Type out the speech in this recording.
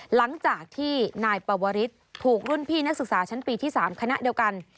หลังจากที่นายปวริสถูกรุ่นพี่นักศึกษาชั้นปีที่๓คณะเดียวกัน